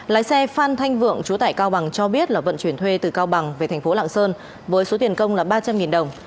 lái xe phan thanh vượng chú tại cao bằng cho biết là vận chuyển thuê từ cao bằng về thành phố lạng sơn với số tiền công là ba trăm linh đồng